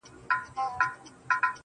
څومره دي ښايست ورباندي ټك واهه.